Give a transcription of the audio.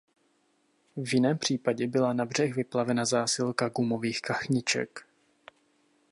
V jiném případě byla na břeh vyplavena zásilka gumových kachniček.